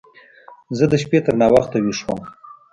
زه د شپې تر ناوخته ويښ وم.